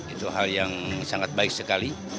itu hal yang sangat baik sekali